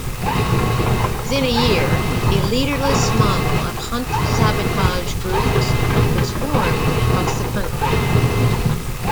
Within a year, a leaderless model of hunt-sabotage groups was formed across the country.